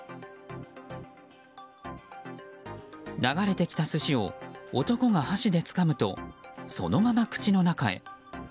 流れてきた寿司を男が箸でつかむとそのまま口の中へ。